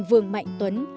vương mạnh tuấn